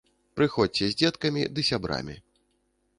Прыходзьце з дзеткамі ды сябрамі!